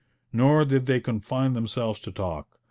Nor did they confine themselves to talk.